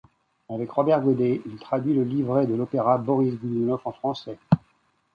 Avec Robert Godet, il traduit le livret de l'opéra Boris Godounov en français.